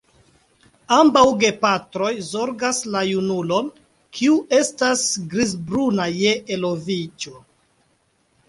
Ambaŭ gepatroj zorgas la junulon, kiu estas grizbruna je eloviĝo.